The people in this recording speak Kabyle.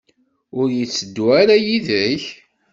Ur yetteddu ara yid-k?